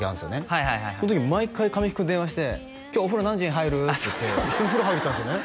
はいはいはいはいその時毎回神木君電話して今日お風呂何時に入る？っていって一緒に風呂入りに行ったんですよね？